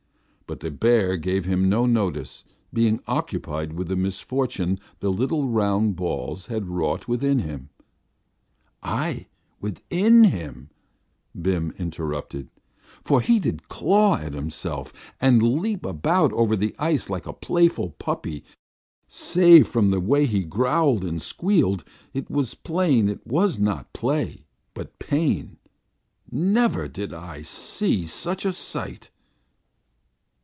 But the bear gave him no notice, being occupied with the misfortune the little round balls had wrought within him." "Ay, within him," Bim interrupted. "For he did claw at himself, and leap about over the ice like a playful puppy, save from the way he growled and squealed it was plain it was not play but pain. Never did I see such a sight!"